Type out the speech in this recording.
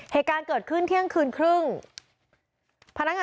เหตุการณ์เกิดขึ้นเที่ยงคืนครึ่งพนักงาน